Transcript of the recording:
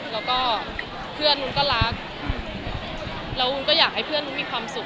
แล้วก็เพื่อนนู้นก็รักแล้วมุ้งก็อยากให้เพื่อนนู้นมีความสุข